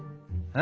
え？